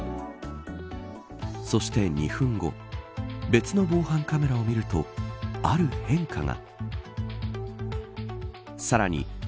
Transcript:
そして２分後別の防犯カメラを見るとある変化が。